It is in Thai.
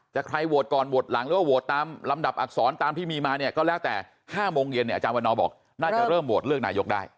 ใครโหวตก่อนโหวตหลังหรือว่าโหวตตามลำดับอักษรตามที่มีมาเนี่ยก็แล้วแต่๕โมงเย็นเนี่ยอาจารย์วันนอบอกน่าจะเริ่มโหวตเลือกนายกได้